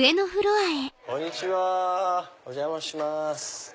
こんにちはお邪魔します。